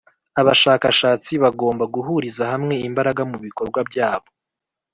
Abashakashatsi bagomba guhuriza hamwe imbaraga mu bikorwa byabo,